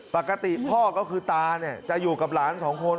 ปกติพ่อก็คือตาเนี่ยจะอยู่กับหลานสองคน